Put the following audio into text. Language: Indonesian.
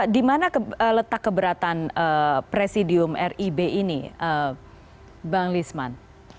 di mana letak keberatan presidium rib ini bang lisman